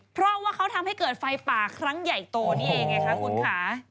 เพราะว่าเขาทำให้เกิดไฟป่าครั้งใหญ่โตนี่เองไงคะคุณค่ะ